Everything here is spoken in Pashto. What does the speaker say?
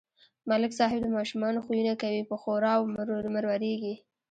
ملک صاحب د ماشومانو خویونه کوي په ښوراو مرورېږي.